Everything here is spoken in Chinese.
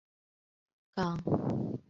港内的被列为。